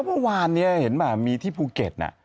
เมื่อวานนี้เห็นป่ะมีที่ภูเก็ต